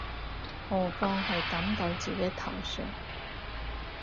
何況係揼到自己頭上